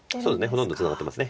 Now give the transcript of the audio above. ほとんどツナがってます